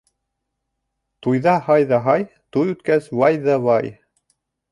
Туйҙа һай ҙа һай, туй үткәс, вай ҙа вай.